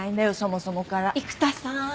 育田さん。